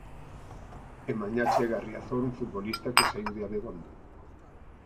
E mañá chega a Riazor un futbolista que saíu de Abegondo.